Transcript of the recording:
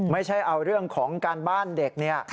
ไม่ใช่เอาเรื่องของการบ้านเด็กเนี่ย